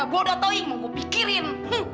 bodoh toing mau gua pikirin